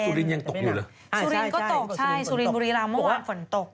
เขาบอกสุรินยังตกอยู่เหรอใช่สุรินก็ตกสุรินบุรีรามเมื่อวานฝนตก